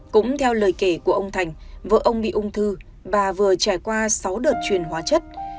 cũng theo lời kể của ông thành vợ ông bị ung thư bà vừa trải qua sáu đợt truyền hóa chất